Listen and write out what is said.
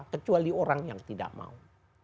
kecuali orang yang tidak mau